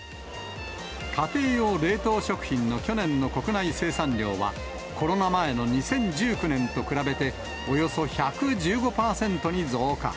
家庭用冷凍食品の去年の国内生産量は、コロナ前の２０１９年と比べて、およそ１１５％に増加。